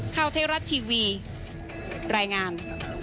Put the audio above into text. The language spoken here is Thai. ข้าวเทราะทีวีรายงาน